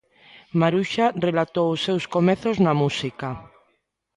Maruxa relatou os seus comezos na música.